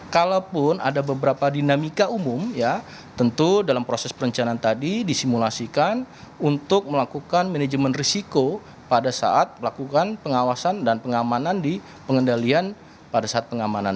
kalaupun ada beberapa dinamika umum ya tentu dalam proses perencanaan tadi disimulasikan untuk melakukan manajemen risiko pada saat melakukan pengawasan dan pengamanan di pengendalian pada saat pengamanan